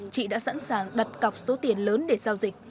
chị đã sẵn sàng đặt cọc số tiền lớn để giao dịch